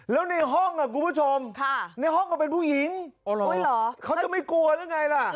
แล้วในห้องคุณผู้ชมในห้องมันเป็นผู้หญิงเขาจะไม่กลัวหรือไงล่ะ